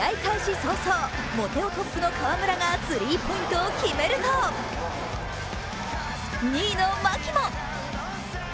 早々、モテ男トップの河村がスリーポイントを決めると２位の牧も。